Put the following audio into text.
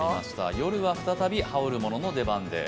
夜は再び羽織るものの出番です。